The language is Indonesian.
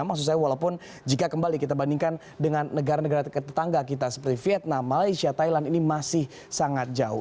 maksud saya walaupun jika kembali kita bandingkan dengan negara negara tetangga kita seperti vietnam malaysia thailand ini masih sangat jauh